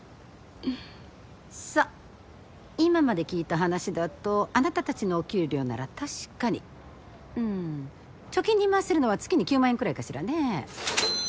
さっ今まで聞いた話だとあなたたちのお給料なら確かにうん貯金に回せるのは月に９万円くらいかしらね。